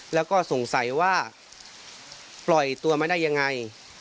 แล้วก็สงสัยว่าปล่อยตัวมาได้ยังไง